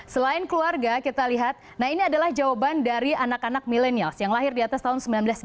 selain keluarga kita lihat nah ini adalah jawaban dari anak anak milenials yang lahir di atas tahun seribu sembilan ratus delapan puluh